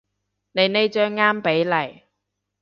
你呢張啱比例